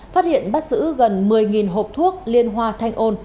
phát hiện bắt giữ gần một mươi hộp thuốc liên hoa thanh ôn